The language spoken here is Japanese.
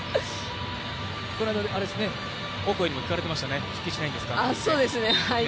この間、オコエにも聞かれてましたね、復帰しないんですかって。